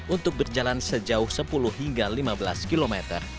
untuk berjalan sejauh sepuluh hingga lima belas km